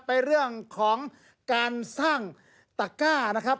ไปเรื่องของการสร้างตะก้านะครับ